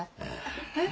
えっ？